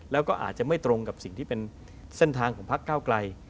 แล้วก็อาจจะไม่ตรงกับสิ่งที่เป็นเส้นทางของพักเก้าไกล